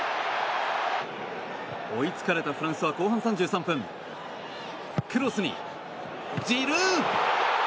追いつかれたフランスは後半３３分クロスにジルー。